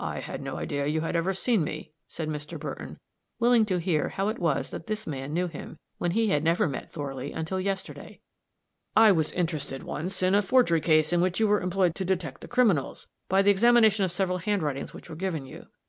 "I had no idea you had ever seen me," said Mr. Burton, willing to hear how it was that this man knew him, when he had never met Thorley until yesterday. "I was interested, once, in a forgery case in which you were employed to detect the criminals, by the examination of several handwritings which were given you.